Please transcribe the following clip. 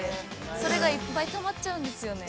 それがいっぱいたまっちゃうんですよね。